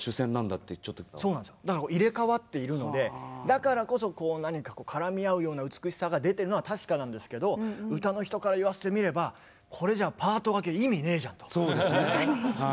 だからこそ何か絡み合うような美しさが出てるのは確かなんですけど歌の人から言わせてみればこれじゃあそうですね。確かに。